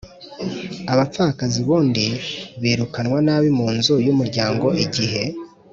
abapfakazi ubundi birukanwa nabi mu nzu y’umuryango igihe: